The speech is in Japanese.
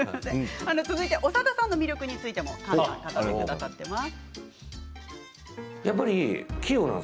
続いて長田さんの魅力についても菅さんが語ってくださってます。